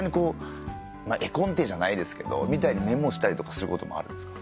絵コンテじゃないですけどみたいにメモしたりとかすることもあるんですか？